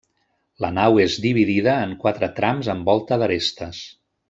La nau és dividida en quatre trams amb volta d'arestes.